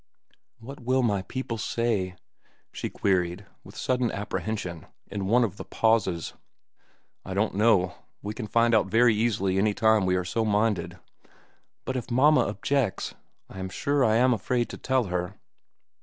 "What will my people say?" she queried, with sudden apprehension, in one of the pauses. "I don't know. We can find out very easily any time we are so minded." "But if mamma objects? I am sure I am afraid to tell her."